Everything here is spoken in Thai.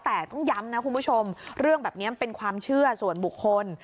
แต่ต้องย้ำนะคุณผู้ชมเรื่องแบบนี้มันเป็นความเชื่อส่วนบุคคล